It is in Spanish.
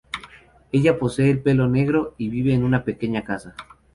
Ella posee pelo negro y vive en una pequeña casa.